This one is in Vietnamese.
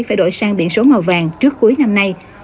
phải đổi sang biển số màu vàng trước cuối năm nay